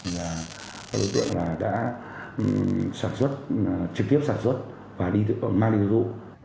và đối tượng là đã sản xuất trực tiếp sản xuất và mang đi tiêu thụ